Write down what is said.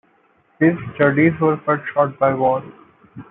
His studies were cut short by war.